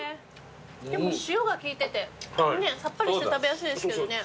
でも塩が利いててさっぱりして食べやすいですけどね。